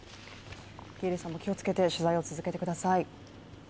喜入さんも気をつけて取材を続けてください。